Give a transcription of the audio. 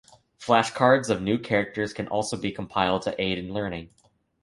Flashcards of new characters can also be compiled to aid in learning.